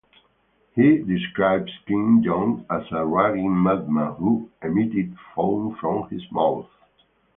He describes King John as a raging madman who "emitted foam from his mouth".